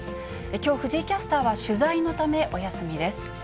きょう、藤井キャスターは取材のためお休みです。